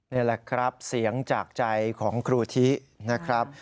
นี่แหละครับเสียงจากใจของครูทินะครับ